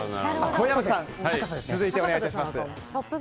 小籔さん、続いてお願いします。